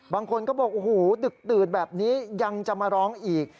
บางคนก็บอกอาหารดึกแบบนี้ยังจะมาร้องอีก